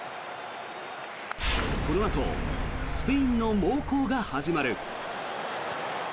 このあとスペインの猛攻が始まる。